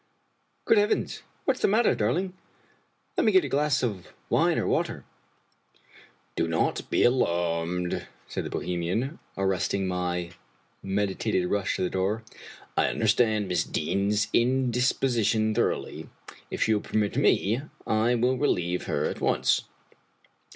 "Good heavens! what's the matter, darling? Let me get you a glass of wine or water." " Do not be alarmed," said the Bohemian, arresting my meditated rush to the door, " I understand Miss Deane's indisposition thoroughly. If she will permit me, I will relieve her at once."